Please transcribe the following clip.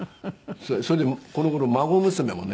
それでこの頃孫娘もね